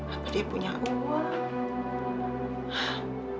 apa dia punya uang